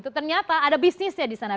ternyata ada bisnisnya di sana